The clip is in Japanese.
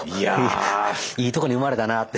いいとこに生まれたなって。